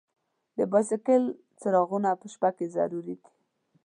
د بایسکل څراغونه په شپه کې ضرور دي.